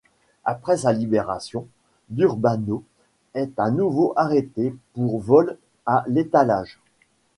Après sa libération, Durbano est à nouveau arrêté, pour vol à l'étalage.